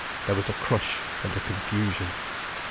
There was a crush and a confusion.